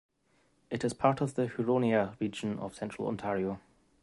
It is part of the Huronia region of Central Ontario.